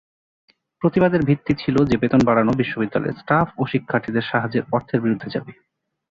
প্রতিবাদের ভিত্তি ছিল যে বেতন বাড়ানো বিশ্ববিদ্যালয়ের স্টাফ ও শিক্ষার্থীদের সাহায্যের অর্থের বিরুদ্ধে যাবে।